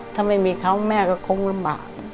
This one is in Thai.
ถ้าไม่มีเขาแม่ก็คงลำบาก